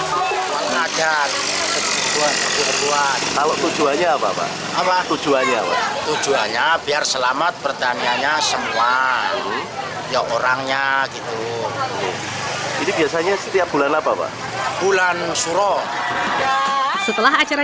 setelah acara di balai desa selesai warga dari tujuh dusun yang kesurupan akan pulang ke dusun masing masing